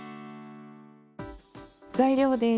材料です。